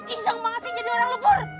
iseng masih jadi orang lebur